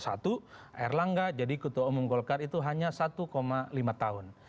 satu erlangga jadi ketua umum golkar itu hanya satu lima tahun